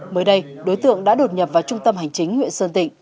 mới đây đối tượng đã đột nhập vào trung tâm hành chính huyện sơn tịnh